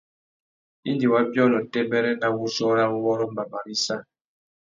Indi wa biônô têbêrê na wuchiô râ uwôrrô mbama râ issa.